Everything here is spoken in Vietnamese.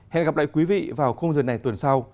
hẹn gặp lại quý vị vào khung giờ này tuần sau